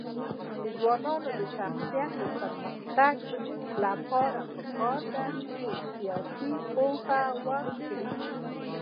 د ځوانانو د شخصي پرمختګ لپاره پکار ده چې سیاست پوهه ورکړي.